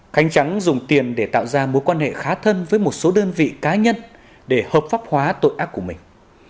khánh trắng dùng tiền để tạo ra mối quan hệ khá thân với một số đơn vị cá nhân để hợp pháp hóa tội ác của mình